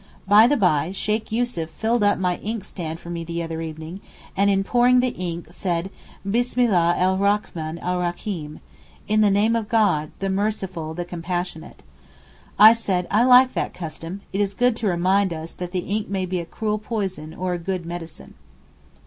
By the bye, Sheykh Yussuf filled up my inkstand for me the other evening and in pouring the ink said 'Bismillah el Rachman el Racheem' (In the name of God, the merciful, the compassionate). I said 'I like that custom, it is good to remind us that ink may be a cruel poison or a good medicine.